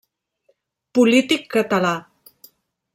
Polític català.